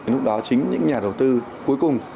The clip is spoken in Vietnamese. lúc đó chính những nhà đầu tư cuối cùng